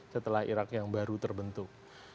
setelah irak yang baru terbentuk